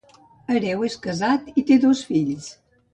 Hereu és casat i té dos fills.